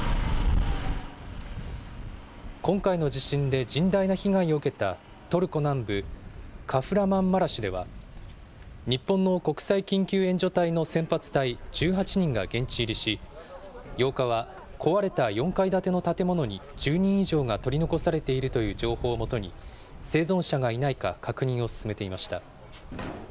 今回の地震で甚大な被害を受けた、トルコ南部カフラマンマラシュでは、日本の国際緊急援助隊の先発隊１８人が現地入りし、８日は壊れた４階建ての建物に、１０人以上が取り残されているという情報を基に、生存者がいないか確認を進めていました。